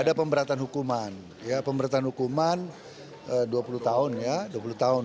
ada pemberatan hukuman pemberatan hukuman dua puluh tahun ya